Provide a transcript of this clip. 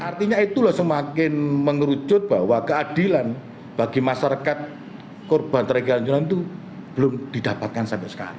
artinya itulah semakin mengerucut bahwa keadilan bagi masyarakat korban tragedilan itu belum didapatkan sampai sekarang